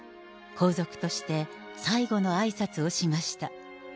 皇族として最後のあいさつをしました。